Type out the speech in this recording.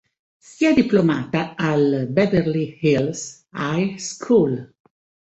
Si è diplomata al "Beverly Hills High School".